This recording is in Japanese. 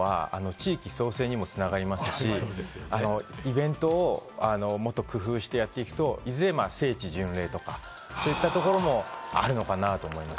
これを定期的にやっていくというのは地域創生にも繋がりますし、イベントをもっと工夫してやっていくと、いずれ聖地巡礼とか、そういったところもあるのかなと思います。